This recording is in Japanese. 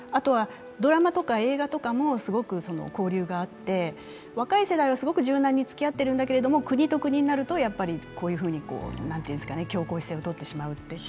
ドラマとか映画とかもすごく交流があって、若い世代はすごく柔軟につきあっているんだけれども、国と国になるとこういうふうに強硬姿勢をとってしまう。